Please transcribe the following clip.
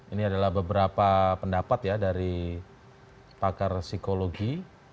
ini adalah beberapa pendapat ya dari pakar psikologi